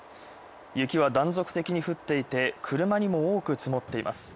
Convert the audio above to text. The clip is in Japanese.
雪は断続的に降っていて、車にも多く積もっています。